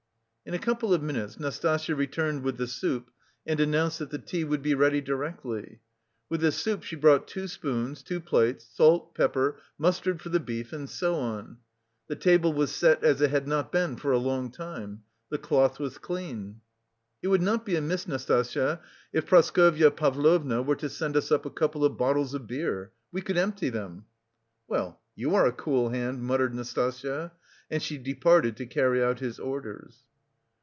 In a couple of minutes Nastasya returned with the soup, and announced that the tea would be ready directly. With the soup she brought two spoons, two plates, salt, pepper, mustard for the beef, and so on. The table was set as it had not been for a long time. The cloth was clean. "It would not be amiss, Nastasya, if Praskovya Pavlovna were to send us up a couple of bottles of beer. We could empty them." "Well, you are a cool hand," muttered Nastasya, and she departed to carry out his orders.